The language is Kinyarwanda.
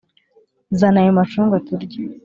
zana ayo macunga turye